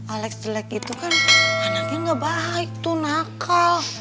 alex jelek itu kan anaknya gak baik tuh nakal